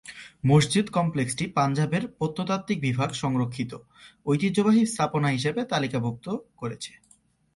মসজিদ কমপ্লেক্সটি পাঞ্জাবের প্রত্নতাত্ত্বিক বিভাগ সুরক্ষিত ঐতিহ্যবাহী স্থাপনা হিসেবে তালিকাভুক্ত করেছে।